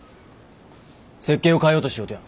設計を変えようとしようとや。